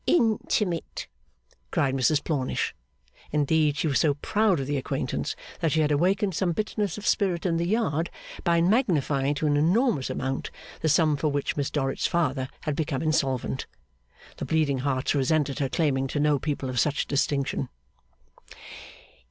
'Intimate!' cried Mrs Plornish. Indeed, she was so proud of the acquaintance, that she had awakened some bitterness of spirit in the Yard by magnifying to an enormous amount the sum for which Miss Dorrit's father had become insolvent. The Bleeding Hearts resented her claiming to know people of such distinction.